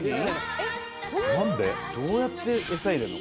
どうやって餌入れるの？